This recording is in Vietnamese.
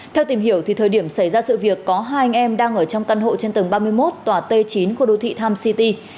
theo tìm hiểu thì thời điểm xảy ra sự việc có hai anh em đang ở trong căn hộ trên tầng ba mươi một tòa t chín khu đô thị times city